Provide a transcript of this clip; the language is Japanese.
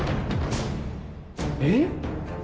えっ？